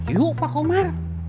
yu pak komar